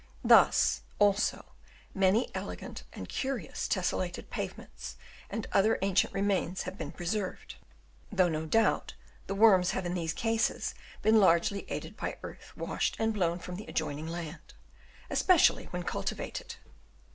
Thus, also, many elegant and curious tesselated pavements and other ancient remains have been preserved ; though no doubt the worms have in these cases been largely aided by earth washed and blown from the adjoining land, especially when cul tivated.